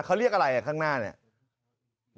เขาเรียกอะไรข้างหน้าเนี่ย